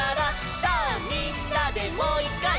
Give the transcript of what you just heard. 「さぁみんなでもういっかい」